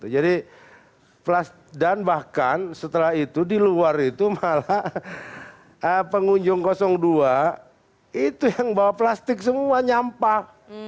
jadi dan bahkan setelah itu di luar itu malah pengunjung dua itu yang bawa plastik semua nyampah